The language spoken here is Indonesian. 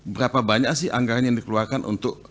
berapa banyak sih anggaran yang dikeluarkan untuk